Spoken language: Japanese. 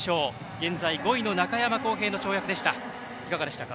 現在、５位の中山昂平の跳躍いかがでしたか。